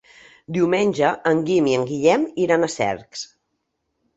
Diumenge en Guim i en Guillem iran a Cercs.